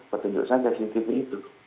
petunjuk saja cctv itu